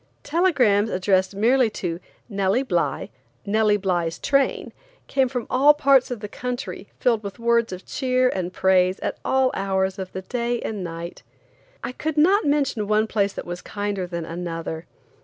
Telegrams addressed merely to "Nellie Bly, Nellie Bly's Train," came from all parts of the country filled with words of cheer and praise at all hours of the day and night. I could not mention one place that was kinder than another.